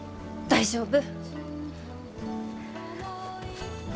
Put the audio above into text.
大丈夫。